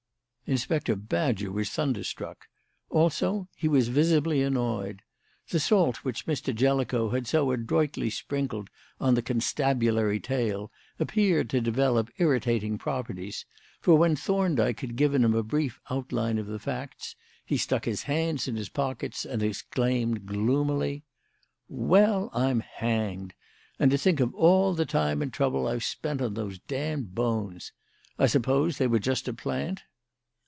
Inspector Badger was thunderstruck. Also he was visibly annoyed. The salt which Mr. Jellicoe had so adroitly sprinkled on the constabulary tail appeared to develop irritating properties, for when Thorndyke had given him a brief outline of the facts he stuck his hands in his pockets and exclaimed gloomily: "Well, I'm hanged! And to think of all the time and trouble I've spent on those damned bones! I suppose they were just a plant?"